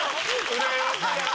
うらやましいな。